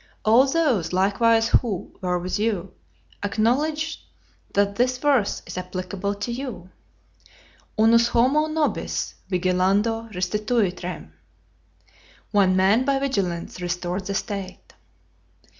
All those likewise who were with you, acknowledge that this verse is applicable to you:" Unus homo nobis vigilando restituit rem. One man by vigilance restored the state.